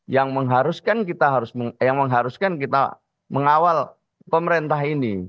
yang mengharuskan kita mengawal pemerintah ini